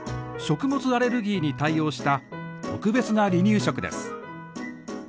食物アレルギーに対応した特別な離乳食です。